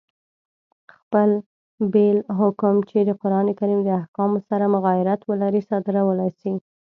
خپل بېل حکم، چي د قرآن کریم د احکامو سره مغایرت ولري، صادرولای سي.